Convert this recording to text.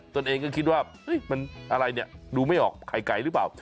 ตัวเองก็คิดว่ามันอะไรเนี่ยดูไม่ออกไข่ไก่หรือเปล่า